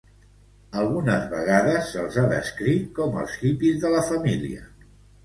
Algunes vegades se'ls ha descrit com els hippies de la família.